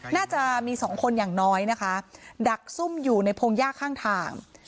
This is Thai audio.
น่าจะมีสองคนอย่างน้อยนะคะดักซุ่มอยู่ในพงหญ้าข้างทาง